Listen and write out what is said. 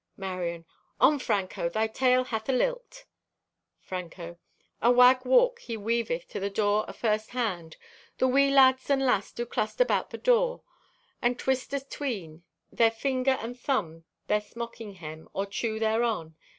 (Marion) "On, Franco, thy tale hath a lilt." (Franco) "Awag walk he weaveth to the door afirst hand. The wee lads and lass do cluster 'bout the door, and twist atween their finger and thumb their smock hem, or chew thereon.